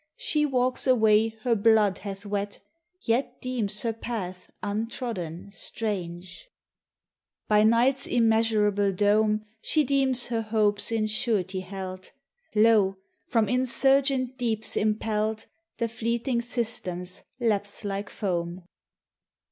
She walks a way her blood hath wet, Yet deems her path untrodden, strange. 47 THE TESTIMONY OF THE SUNS. By night's immeasurable dome She deems her hopes in surety held Lo! from insurgent deeps impelled The fleeting systems lapse like foam.